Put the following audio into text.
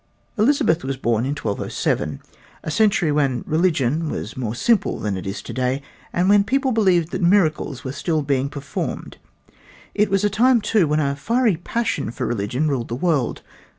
Elizabeth was born in 1207 a century when religion was more simple than it is to day and when people believed that miracles were still being performed. It was a time, too, when a fiery passion for religion ruled the world.